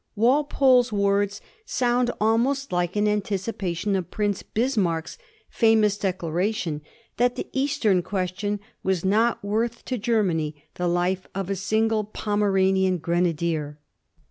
Walpole's words sound almost like an anticipation of Prince Bismarck's famous declaration that the Eastern Question was not worth to Germany the life of a single Pomeranian grenadier.